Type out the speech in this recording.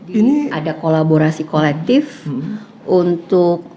ini ada kolaborasi kolektif untuk